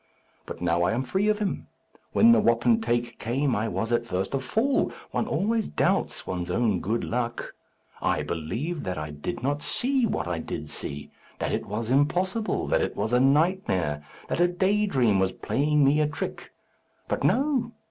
But now I am free of him. When the wapentake came I was at first a fool; one always doubts one's own good luck. I believed that I did not see what I did see; that it was impossible, that it was a nightmare, that a day dream was playing me a trick. But no!